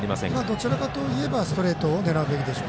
どちらかといえばストレートを狙うべきです。